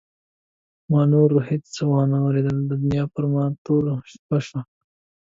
ما نو نور هېڅ وانه ورېدل دنیا پر ما توره شپه شوه.